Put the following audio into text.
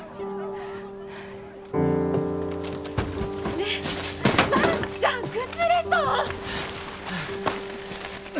・ねえ万ちゃん崩れそう！